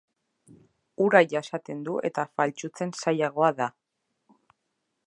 Ura jasaten du eta faltsutzen zailagoa da.